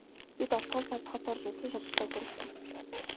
Би долоодугаар сард хот орж улсын шалгалтаа өгөхөөр болсон.